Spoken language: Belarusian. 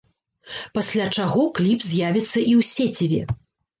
Пасля чаго кліп з'явіцца і ў сеціве.